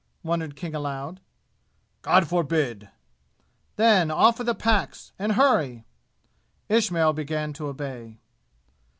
wondered King aloud. "God forbid!" "Then, off with the packs and hurry!" Ismail began to obey.